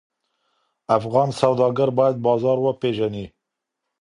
افغان سوداګر باید بازار وپېژني.